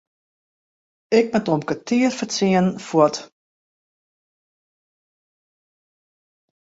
Ik moat om kertier foar tsienen fuort.